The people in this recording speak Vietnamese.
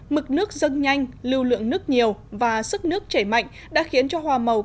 mực nước dâng nhanh lưu lượng nước nhiều và sức nước chảy mạnh đã khiến cho hòa màu canh